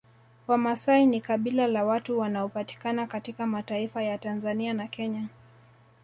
Wamasai ni kabila la watu wanaopatikana katika mataifa ya Tanzania na Kenya